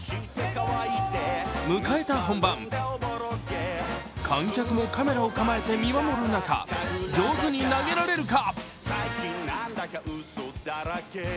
迎えた本番、観客もカメラを構えて見守る中、上手に投げられるか？